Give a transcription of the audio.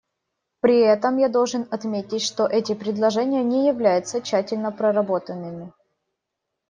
При этом я должен отметить, что эти предложения не являются тщательно проработанными.